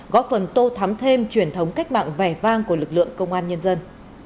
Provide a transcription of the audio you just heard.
góp phần tô thắm thêm truyền thống cách mạng vẻ vang của lực lượng công an nhân dân